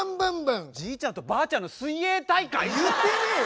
じいちゃんとばあちゃんの水泳大会？言ってねえよ！